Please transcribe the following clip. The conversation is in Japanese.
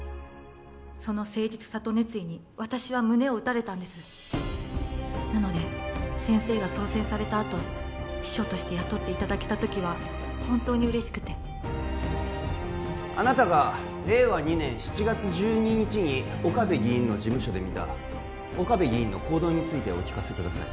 その誠実さと熱意に私は胸を打たれたんですなので先生が当選されたあと秘書として雇っていただけた時は本当に嬉しくてあなたが令和２年７月１２日に岡部議員の事務所で見た岡部議員の行動についてお聞かせください